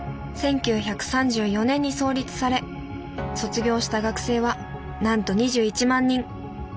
１９３４年に創立され卒業した学生はなんと２１万人。